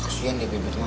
kasian dia bebek mak